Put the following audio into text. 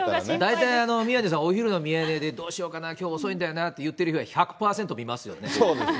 大体宮根さん、どうしようかな、きょう遅いんだよなって言ってる日は、１００％見ますよね。